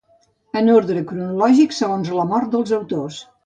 En ordre cronològic, segons la mort dels autors.